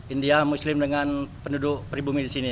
india muslim dengan penduduk peribumi disini